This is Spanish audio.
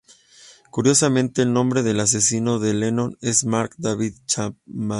Curiosamente, el nombre del asesino de Lennon es Mark David Chapman.